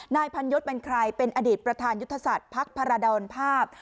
นายพันยศเป็นใครเป็นอดีตประธานยุทธศาสตร์พักพาราดรภาพ